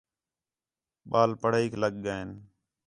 ٻال پڑھائیک لڳ ڳئین